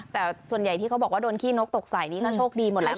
แต่ส่วนใหญ่ที่เขาบอกว่าโดนขี้นกตกใส่นี่ก็โชคดีหมดแล้ว